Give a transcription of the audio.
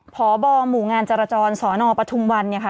พบหมู่งานจรจรสนปทุมวันเนี่ยค่ะ